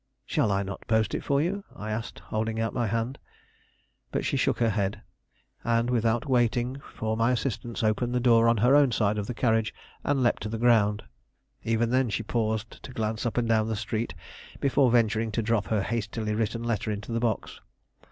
"Shall I not post it for you?" I asked, holding out my hand. But she shook her head, and, without waiting for my assistance, opened the door on her own side of the carriage and leaped to the ground. Even then she paused to glance up and down the street, before venturing to drop her hastily written letter into the box.